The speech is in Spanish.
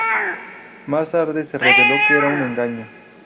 Más tarde se reveló que era un engaño.